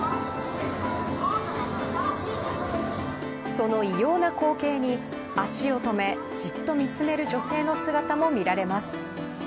その異様な光景に足を止め、じっと見つめる女性の姿も見られます。